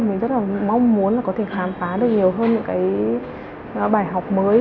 mình rất mong muốn có thể khám phá được nhiều hơn những bài học mới